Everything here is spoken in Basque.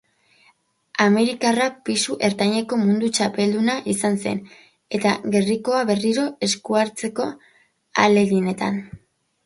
Amerikarra pisu ertaineko munduko txapelduna izan zen eta gerrikoa berriro eskuratzeko ahaleginetan dabil.